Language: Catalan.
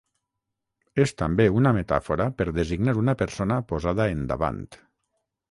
És també una metàfora per designar una persona posada endavant.